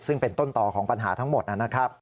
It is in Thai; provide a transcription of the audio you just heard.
ซึ่งเป็นต้นต่อของปัญหาทั้งหมดนะครับ